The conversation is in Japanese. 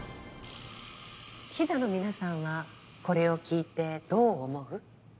飛騨の皆さんはこれを聞いてどう思う？